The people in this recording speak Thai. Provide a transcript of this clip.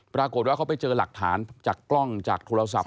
ปรากฏว่าเขาไปเจอหลักฐานจากกล้องจากโทรศัพท์